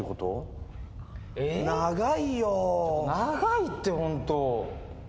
長いってホント。